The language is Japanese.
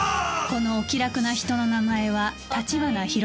このお気楽な人の名前は立花広太郎